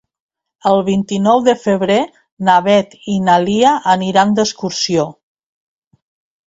El vint-i-nou de febrer na Beth i na Lia aniran d'excursió.